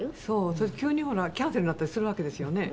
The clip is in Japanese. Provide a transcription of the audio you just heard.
それで急にほらキャンセルになったりするわけですよね。